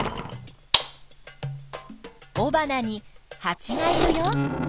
おばなにハチがいるよ。